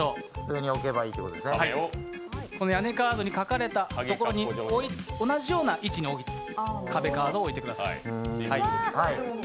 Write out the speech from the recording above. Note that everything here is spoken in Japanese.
屋根カードに書かれたところに、同じような位置に壁カードを置いてください。